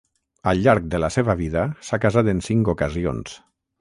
Al llarg de la seva vida s'ha casat en cinc ocasions.